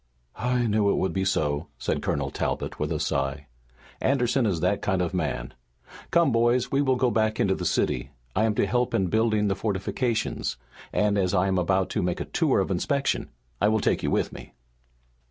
"I knew it would be so," said Colonel Talbot, with a sigh. "Anderson is that kind of a man. Come, boys, we will go back into the city. I am to help in building the fortifications, and as I am about to make a tour of inspection I will take you with me."